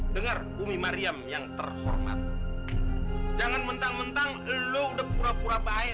dengar bumi mariam yang terhormat jangan mentang mentang lo udah pura pura baik